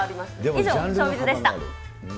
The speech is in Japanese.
以上、ショービズでした。